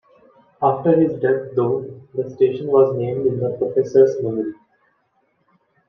After his death, though, the station was named in the professor's memory.